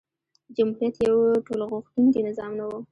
جمهوریت یو ټولغوښتونکی نظام نه و.